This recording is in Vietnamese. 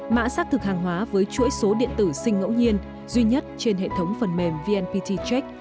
mã xác thực hàng hóa với chuỗi số điện tử sinh ngẫu nhiên duy nhất trên hệ thống phần mềm vnpt check